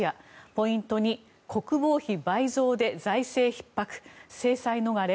ポイント２国防費倍増で財政ひっ迫制裁逃れ？